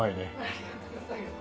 ありがとうございます。